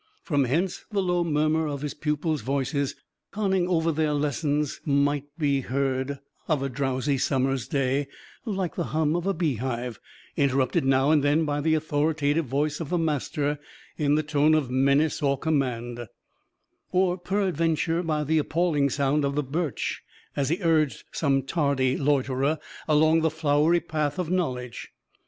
From hence the low murmur of his pupils' voices, conning over their lessons, might be heard of a drowsy summer's day, like the hum of a beehive; interrupted now and then by the authoritative voice of the master in the tone of menace or command; or, peradventure, by the appalling sound of the birch, as he urged some tardy loiterer along the flowery path of knowledge.